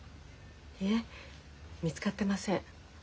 いいえ見つかってません。